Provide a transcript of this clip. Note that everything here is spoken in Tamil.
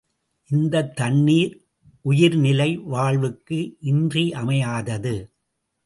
இந்தத் தண்ணீர் உயிர்நிலை வாழ்வுக்கு இன்றியமையாதது.